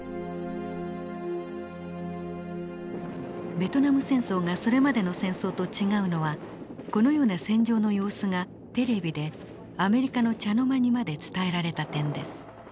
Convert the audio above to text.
ベトナム戦争がそれまでの戦争と違うのはこのような戦場の様子がテレビでアメリカの茶の間にまで伝えられた点です。